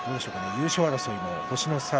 優勝争い星の差